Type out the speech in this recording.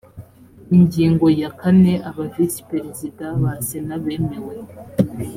ingingo ya kane aba visi perezida ba sena bemewe